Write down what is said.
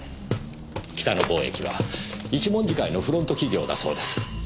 北野貿易は一文字会のフロント企業だそうです。